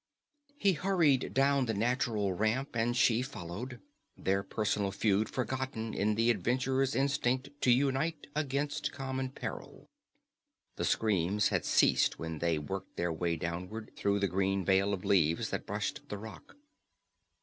He hurried down the natural ramp and she followed, their personal feud forgotten in the adventurers' instinct to unite against common peril. The screams had ceased when they worked their way downward through the green veil of leaves that brushed the rock.